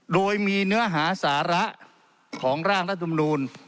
โดยมีเนื้อหาสาระของร่างรัฐมนูล